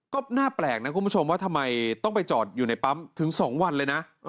ก็น่าแปลกนะคุณผู้ชมว่าทำไมต้องไปจอดอยู่ในปั๊มถึง๒วันเลยนะ